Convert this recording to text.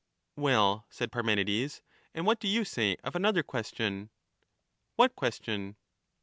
Well, said Parmenides, and what do you say of another question ? What question